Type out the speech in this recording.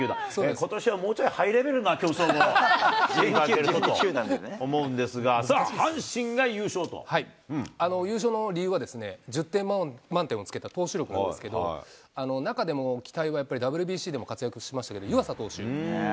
ことしはもうちょいハイレベルな競争をしていただこうと思うんで優勝の理由はですね、１０点満点をつけた投手力なんですけど、中でも期待はやっぱり、ＷＢＣでも活躍しましたけれども、湯浅投手。